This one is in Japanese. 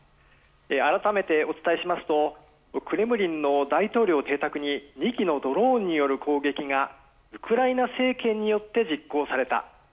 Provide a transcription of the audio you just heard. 改めてお伝えしますとクレムリンの大統領邸宅に２機のドローンによる攻撃がウクライナ政権によって実行された。